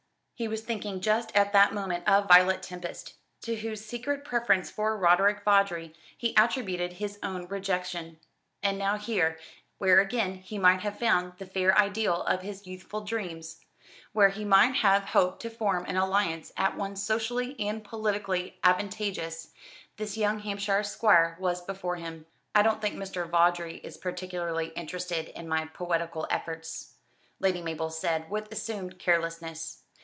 He was thinking just at that moment of Violet Tempest, to whose secret preference for Roderick Vawdrey he attributed his own rejection. And now here where again he might have found the fair ideal of his youthful dreams here where he might have hoped to form an alliance at once socially and politically advantageous this young Hampshire's squire was before him. "I don't think Mr. Vawdrey is particularly interested in my poetical efforts," Lady Mabel said with assumed carelessness.